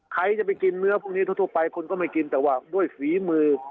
ใครจะไปกินเนื้อพวกนี้ทั่วไปคนก็ไม่กินแต่ว่าด้วยฝีมือ